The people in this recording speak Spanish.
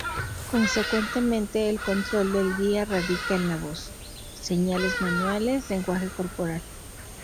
Consecuentemente, el control del guía radica en la voz, señales manuales, lenguaje corporal.